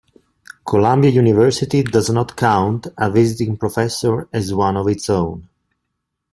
Columbia University does not count a Visiting Professor as one of its own.